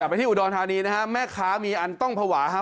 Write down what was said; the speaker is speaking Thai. ไปที่อุดรธานีนะฮะแม่ค้ามีอันต้องภาวะครับ